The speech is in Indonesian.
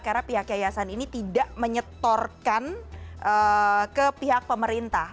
karena pihak yayasan ini tidak menyetorkan ke pihak pemerintah